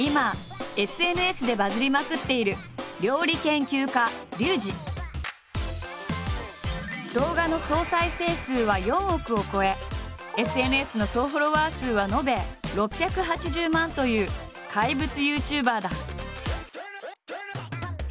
今ＳＮＳでバズりまくっている動画の総再生数は４億を超えＳＮＳの総フォロワー数は延べ６８０万人という怪物ＹｏｕＴｕｂｅｒだ。